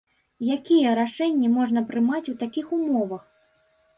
Якія рашэнні можна прымаць у такіх умовах?